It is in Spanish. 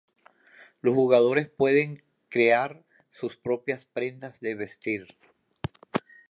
Los jugadores pueden crear sus propias prendas de vestir.